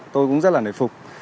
tôi cũng rất là nổi phục